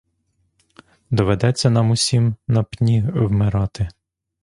Доведеться нам усім на пні вмирати.